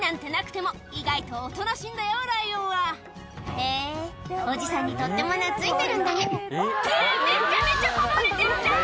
へぇおじさんにとっても懐いてるんだねってめちゃめちゃかまれてるじゃん！